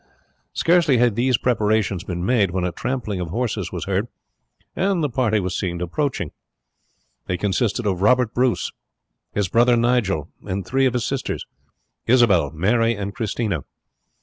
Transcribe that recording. Scarcely had his preparations been made when a trampling of horses was heard, and the party were seen approaching. They consisted of Robert Bruce, his brother Nigel, and three of his sisters Isabel, Mary, and Christina.